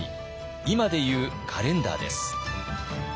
今で言うカレンダーです。